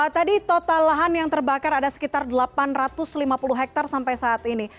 tadi total lahan yang terbakar ada sekitar delapan ratus lima puluh hektare sampai saat ini